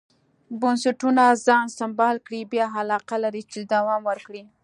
بنسټونه ځان سمبال کړي بیا علاقه لري چې دوام ورکړي.